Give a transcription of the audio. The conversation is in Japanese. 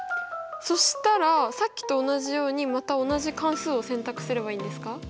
そしたらさっきと同じようにまた同じ関数を選択すればいいんですか？